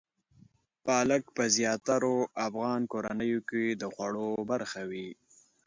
پالک په زیاترو افغان کورنیو کې د خوړو برخه وي.